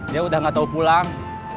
dia udah gak tau pulang